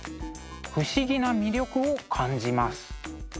不思議な魅力を感じます。